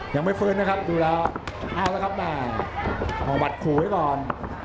ยังไม่ฟื้นนะครับดูแล้วเอาละครับแม่ออกหมัดขู่ไว้ก่อน